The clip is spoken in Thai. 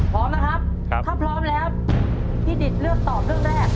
พร้อมนะครับถ้าพร้อมแล้วพี่ดิตเลือกตอบเรื่องแรก